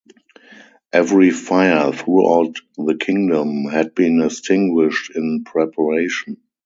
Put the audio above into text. Every fire throughout the kingdom had been extinguished in preparation.